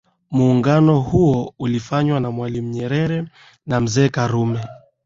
Muungano huo ulifanywa na mwalimu nyerere na mzee karume